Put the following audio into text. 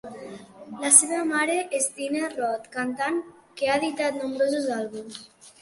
La seva mare és Dina Rot, cantant que ha editat nombrosos àlbums.